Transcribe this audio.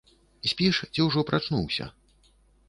Спіш ці ўжо прачнуўся?